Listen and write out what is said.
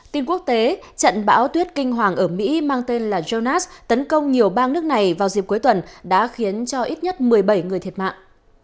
tin quốc tế trận bão tuyết kinh hoàng ở mỹ mang tên là jonas tấn công nhiều bang nước này vào dịp cuối tuần đã khiến cho ít nhất một mươi bảy người thiệt mạng